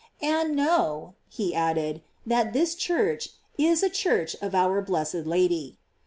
And know," he added, "that this church is a church of our bless ed Lady."